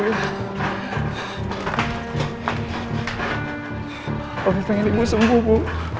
ibu pengen sembuh bu